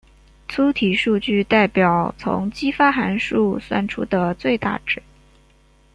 粗体数据代表从激发函数算出的最大值。